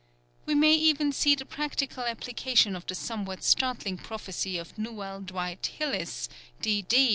We may even see the practical application of the somewhat startling prophecy of Newell Dwight Hillis, D. D.